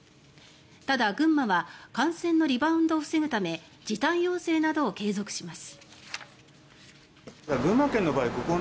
ただ、群馬は感染のリバウンドを防ぐため時短要請などを継続します。